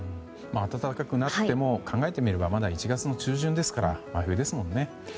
暖かくなっても考えてみればまだ１月中旬ですから真冬ですもんね。